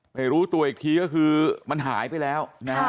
ไม่รู้ตัวอีกทีก็คือมันหายไปแล้ว